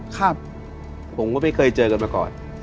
ครับผมก็ไม่เคยเจอกันมาก่อน